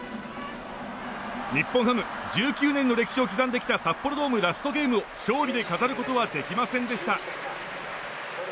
日本ハム、１９年の歴史を刻んできた札幌ドーム、ラストゲームを勝利で飾ることはできませんでした。